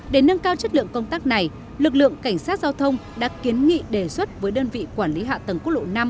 để nâng cao chất lượng công tác này lực lượng cảnh sát giao thông đã kiến nghị đề xuất với đơn vị quản lý hạ tầng quốc lộ năm